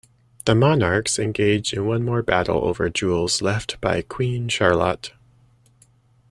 The monarchs engaged in one more battle-over jewels left by Queen Charlotte.